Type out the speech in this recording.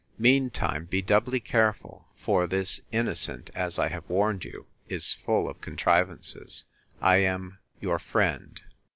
Mean time be doubly careful; for this innocent, as I have warned you, is full of contrivances. I am 'Your friend.